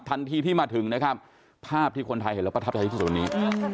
ทันทีที่มาถึงนะครับภาพที่คนไทยเห็นแล้วประทับใจที่สุดวันนี้